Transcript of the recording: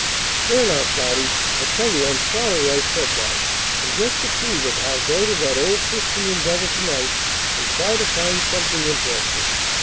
"There now, Cloudy! I tell you I'm sorry I said that; and just to prove it I'll go to that old Christian Endeavor to night, and try to find something interesting.